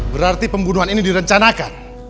berarti pembunuhan ini direncanakan